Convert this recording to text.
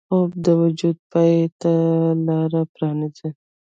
خوب د وجود پاکۍ ته لاره پرانیزي